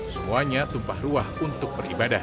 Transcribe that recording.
semuanya tumpah ruah untuk beribadah